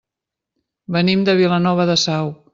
Venim de Vilanova de Sau.